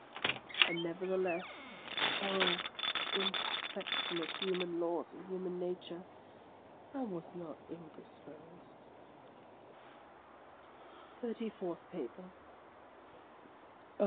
And nevertheless, oh, — imperfection of human laws and human nature !— I was not ill disposed. OF A CONDEMNED 87 THIRTY FOURTH PAPER OH